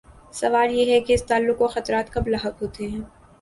سوال یہ ہے کہ اس تعلق کو خطرات کب لاحق ہوتے ہیں؟